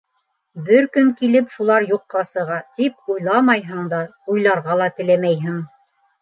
Бер көн килеп шулар юҡҡа сыға, тип, уйламайһың да, уйларға ла теләмәйһең.